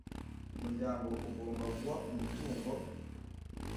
Umuryango ugomba guha umutungo